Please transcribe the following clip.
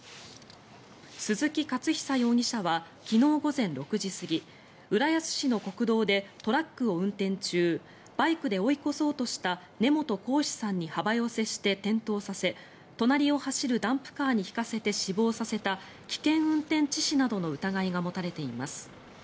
鈴木勝久容疑者は昨日午前６時過ぎ浦安市の国道でトラックを運転中バイクで追い越そうとした根本光士さんに幅寄せして転倒させ隣を走るダンプカーにひかせて死亡させた危険運転致死などの疑いが持たれています。